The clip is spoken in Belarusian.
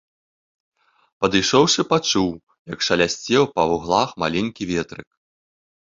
Падышоўшы, пачуў, як шалясцеў па вуглах маленькі ветрык.